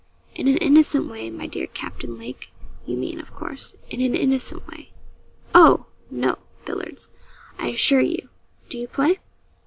'In an innocent way, my dear Captain Lake, you mean, of course in an innocent way.' 'Oh! no; billiards, I assure you. Do you play?'